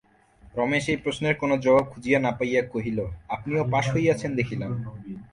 রমেশ এই প্রশ্নের কোনো জবাব খুঁজিয়া না পাইয়া কহিল, আপনিও পাস হইয়াছেন দেখিলাম।